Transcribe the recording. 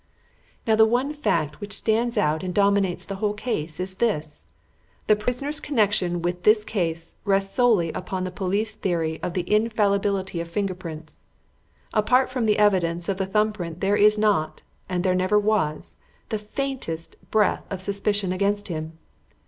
"Now the one fact which stands out and dominates the whole case is this: The prisoner's connection with this case rests solely upon the police theory of the infallibility of finger prints. Apart from the evidence of the thumb print there is not, and there never was, the faintest breath of suspicion against him.